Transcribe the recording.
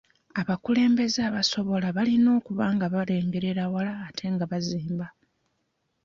Abakulembeze abasobola balina okuba nga balengerera wala ate nga bazimba.